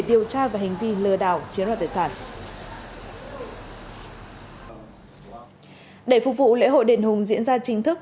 điều tra về hành vi lừa đảo chiếm đoạt tài sản để phục vụ lễ hội đền hùng diễn ra chính thức